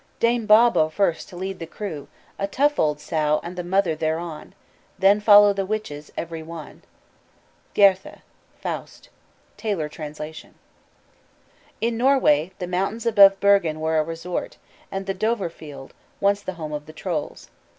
"Dame Baubo first, to lead the crew! A tough old sow and the mother thereon, Then follow the witches, every one." GOETHE: Faust. (Taylor trans.) In Norway the mountains above Bergen were a resort, and the Dovrefeld, once the home of the trolls.